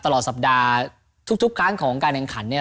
ตลอดสัปดาห์ทุกครั้งของการแข่งขันเนี่ย